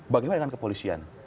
bagaimana dengan kepolisian